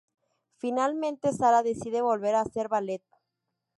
Finalmente Sara decide volver a hacer ballet.